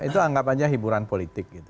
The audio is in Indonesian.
itu anggap aja hiburan politik gitu